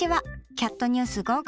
「キャットニュース５５」